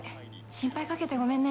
心配かけてごめんね。